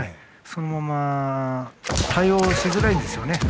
そのまま対応しづらいんですよね。